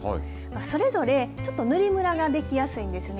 それぞれ、ちょっと塗りむらができやすいんですね。